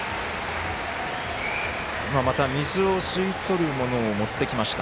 また水を吸い取るものを持ってきました。